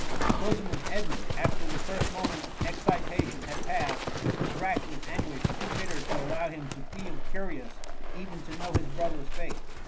The bosom of Edmund, after the first moment of excitation had passed, was racked with anguish too bitter to allow him to feel curious even to know his brother^s fate.